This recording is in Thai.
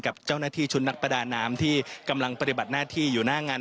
กับเจ้าหน้าที่ชุดนักประดาน้ำที่กำลังปฏิบัติหน้าที่อยู่หน้างาน